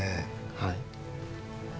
はい。